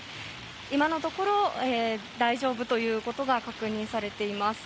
今のところ大丈夫ということが確認されています。